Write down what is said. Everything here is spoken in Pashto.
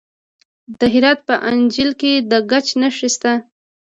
د هرات په انجیل کې د ګچ نښې شته.